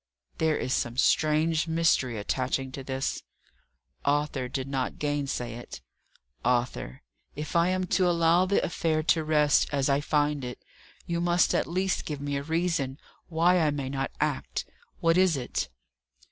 "There is some strange mystery attaching to this." Arthur did not gainsay it. "Arthur, if I am to allow the affair to rest as I find it, you must at least give me a reason why I may not act. What is it?"